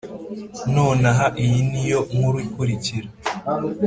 nonaha iyi niyo nkuru ikurikira,